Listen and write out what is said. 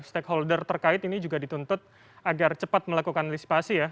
stakeholder terkait ini juga dituntut agar cepat melakukan lispasi ya